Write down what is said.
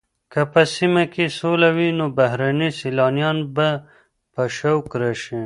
که په سیمه کې سوله وي نو بهرني سېلانیان به په شوق راشي.